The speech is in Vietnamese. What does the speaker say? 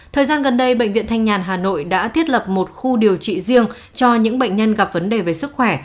thời gian gần đây bệnh viện thanh nhàn hà nội đã thiết lập một khu điều trị riêng cho những bệnh nhân gặp vấn đề về sức khỏe